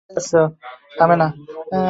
High, ফিনি।